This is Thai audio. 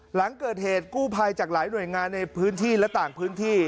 หลังเกิดเหตุกู้ภัยจากหลายหน่วยงานในพื้นที่และต่างพื้นที่